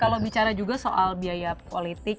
kalau bicara juga soal biaya politik